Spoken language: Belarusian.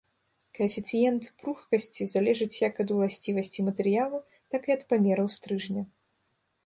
Каэфіцыент пругкасці залежыць як ад уласцівасцей матэрыялу, так і ад памераў стрыжня.